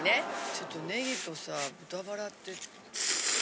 ちょっとネギとさ豚バラって。